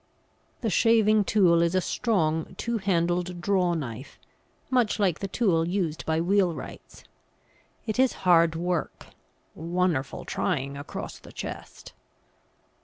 The shaving tool is a strong two handled draw knife, much like the tool used by wheelwrights. It is hard work, "wunnerful tryin' across the chest."